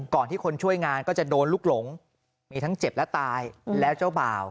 ที่คนช่วยงานก็จะโดนลูกหลงมีทั้งเจ็บและตายแล้วเจ้าบ่าว